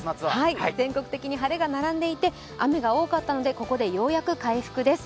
全国的に晴れが並んでいて雨が多かったのでここでようやく回復です。